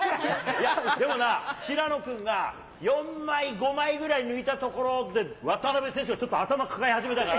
でもな、平野君が４枚、５枚ぐらい抜いたところで、渡辺選手がちょっと頭抱え始めたから。